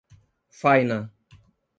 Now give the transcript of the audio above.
Faina